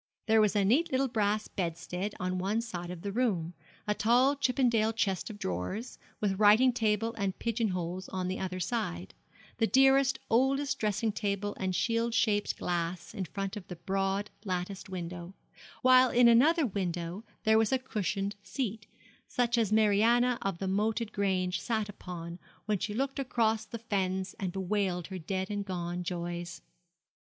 There was a neat little brass bedstead on one side of the room, a tall Chippendale chest of drawers, with writing table and pigeon holes on the other side; the dearest, oldest dressing table and shield shaped glass in front of the broad latticed window; while in another window there was a cushioned seat, such as Mariana of the Moated Grange sat upon when she looked across the fens and bewailed her dead and gone joys.